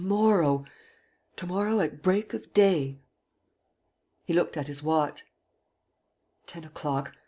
to morrow ... to morrow at break of day." He looked at his watch: "Ten o'clock. ...